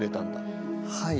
はい。